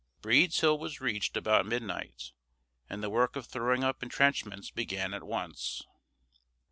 Breed's Hill was reached about midnight, and the work of throwing up intrenchments began at once.